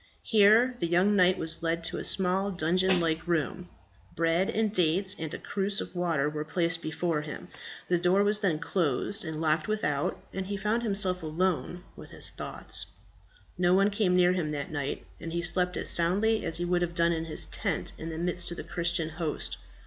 Here the young knight was led to a small dungeon like room; bread and dates with a cruse of water were placed before him; the door was then closed and locked without, and he found himself alone with his thoughts. No one came near him that night, and he slept as soundly as he would have done in his tent in the midst of the Christian host.